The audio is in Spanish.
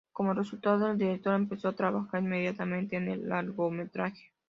Como resultado, el director empezó a trabajar inmediatamente en el largometraje.